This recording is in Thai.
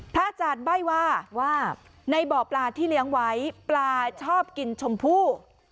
อาจารย์ใบ้ว่าว่าในบ่อปลาที่เลี้ยงไว้ปลาชอบกินชมพู่